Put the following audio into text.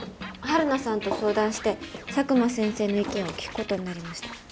晴汝さんと相談して佐久間先生の意見を聞くことになりました。